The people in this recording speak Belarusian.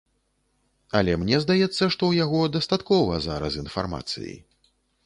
Але мне здаецца, што ў яго дастаткова зараз інфармацыі.